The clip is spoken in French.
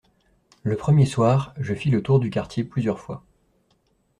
Le premier soir, je fis le tour du quartier plusieurs fois.